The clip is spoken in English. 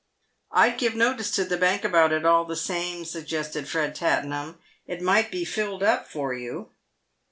" I'd give notice to the Bank about it, all the same," suggested Fred Tattenham. " It might be filled up for you."